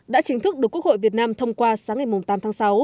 đã chính thức được quốc hội việt nam thông qua sáng ngày tám tháng sáu